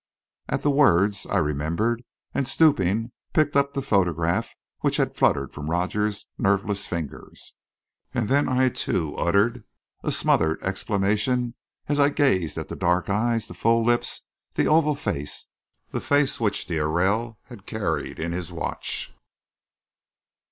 At the words, I remembered; and, stooping, picked up the photograph which had fluttered from Rogers's nerveless fingers. And then I, too, uttered a smothered exclamation as I gazed at the dark eyes, the full lips, the oval face the face which d'Aurelle had carried in his watch!